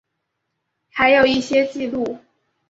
还有一些记录